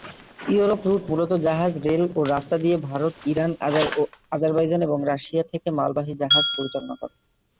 এবং Europe route মূলত জাহাজ, রেল ও রাস্তা দিয়ে ভারত, ইরান, আজারবাইজান এবং রাশিয়া থেকে মালবাহী জাহাজ পরিচালনা করে।